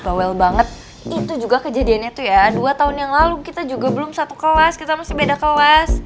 gowel banget itu juga kejadiannya tuh ya dua tahun yang lalu kita juga belum satu kelas kita masih beda kelas